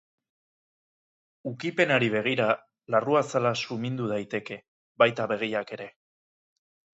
Ukipenari begira, larruazala sumindu daiteke, baita begiak ere.